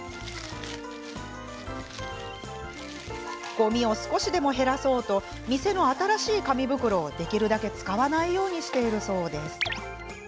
ごみを少しでも減らそうと店の新しい紙袋をできるだけ使わないようにしているそうです。